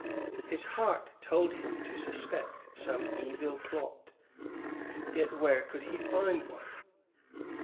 His heart told him to suspect some evil plot yet where could he find one?